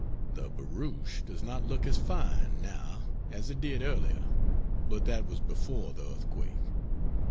The barouche does not look as fine, now, as it did earlier but that was before the earthquake.